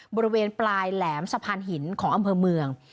บริเวณปลายแหลมสะพานหินของอำเภอเมือง